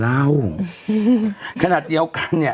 เราก็มีความหวังอะ